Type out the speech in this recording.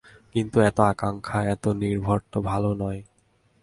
কিন্তু এত আকাঙক্ষা, এত নির্ভর তো ভালো নয়।